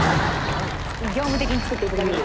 業務的に作っていただければ。